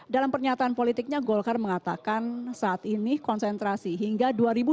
dalam pernyataan politiknya golkar mengatakan saat ini konsentrasi hingga dua ribu dua puluh